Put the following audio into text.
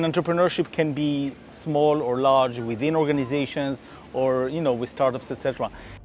dan perusahaan bisa menjadi kecil atau besar dalam organisasi atau dengan startup dsb